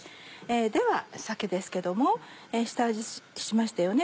では鮭ですけども下味をしましたよね。